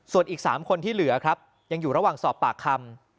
ส่วนอีก๓คนที่เหลือครับยังอยู่ระหว่างสอบปากคำ